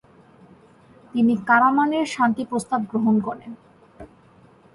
তিনি কারামানের শান্তিপ্রস্তাব গ্রহণ করেন।